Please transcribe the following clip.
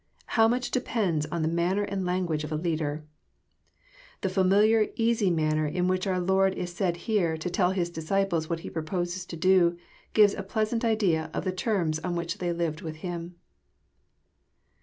How much depends on the manner and language of a leader ! The familiar, easy manner in which our Lord is said here to tell His disciples what He proposes to do, gives a pleasant idea of the terms on which they lived with Him.